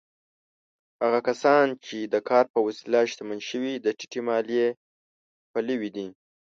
هغه کسان چې د کار په وسیله شتمن شوي، د ټیټې مالیې پلوي دي.